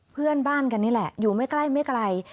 เพื่อนบ้านกันนี่แหละอยู่ไม่ใกล้ไม่ไกล